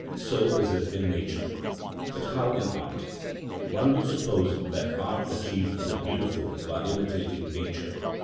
So is it in nature. But how in art? One would suppose that art achieved the beautiful by imitating nature.